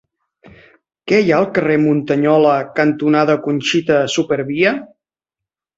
Què hi ha al carrer Muntanyola cantonada Conxita Supervia?